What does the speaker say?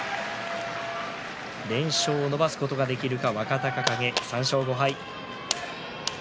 連勝を伸ばすことができるか若隆景、３勝５敗。